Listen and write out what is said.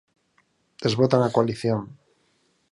Desbotan a coalición.